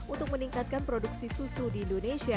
untuk meningkatkan produksi susu di indonesia